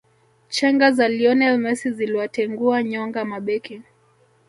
chenga za lionel mesi ziliwatengua nyonga mabeki